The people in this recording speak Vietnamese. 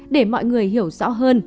để mọi người hiểu rõ hơn